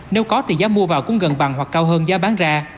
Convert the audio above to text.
nếu có thì giá mua vào cũng gần bằng hoặc cao hơn giá bán ra